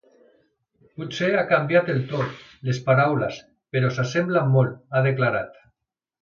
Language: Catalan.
Potser ha canviat el to, les paraules, però s’assemblen molt, ha declarat.